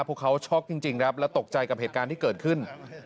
พวกเขาช็อกจริงครับและตกใจกับเหตุการณ์ที่เกิดขึ้น